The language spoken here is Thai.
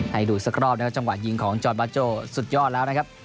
ให้ดูสักรอบนะครับจังหวะยิงของจอร์ดบาโจสุดยอดแล้วนะครับ